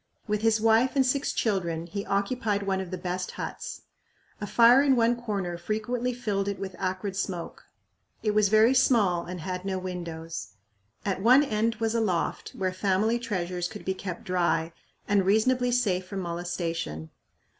With his wife and six children he occupied one of the best huts. A fire in one corner frequently filled it with acrid smoke. It was very small and had no windows. At one end was a loft where family treasures could be kept dry and reasonably safe from molestation.